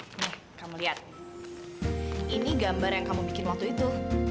kamu lihat ini gambar yang kamu bikin waktu itu